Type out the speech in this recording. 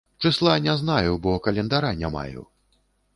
Чысла не знаю, бо календара не маю.